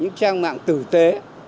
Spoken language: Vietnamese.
những trang mạng tử tế